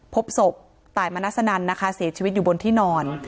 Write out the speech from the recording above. พบศพตายมนัสนันนะคะเสียชีวิตอยู่บนที่นอน